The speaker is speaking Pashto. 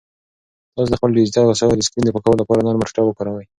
تاسو د خپلو ډیجیټل وسایلو د سکرین د پاکولو لپاره نرمه ټوټه وکاروئ.